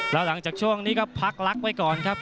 แล้วหลังจากช่วงนี้ก็พักลักษณ์ไว้ก่อนครับ